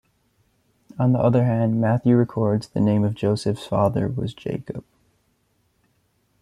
On the other hand, Matthew records the name of Joseph's father was Jacob.